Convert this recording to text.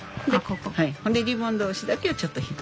ほんでリボン同士だけをちょっと引っ張る。